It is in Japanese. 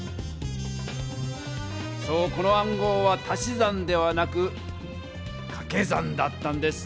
そうこの暗号は足し算ではなくかけ算だったんです。